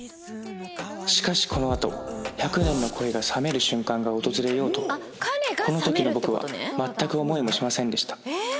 しかしこのあと１００年の恋が冷める瞬間が訪れようとはこの時の僕は全く思いもしませんでした